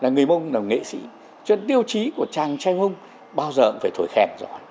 người mông là nghệ sĩ cho nên tiêu chí của chàng trai mông bao giờ cũng phải thổi khen